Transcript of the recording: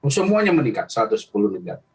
semuanya meningkat satu ratus sepuluh negara